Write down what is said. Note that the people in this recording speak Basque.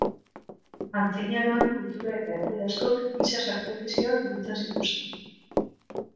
Antzinaroan kultura eta herri askok giza sakrifizioak burutzen zituzten.